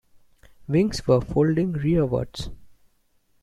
Wings were folding rearwards.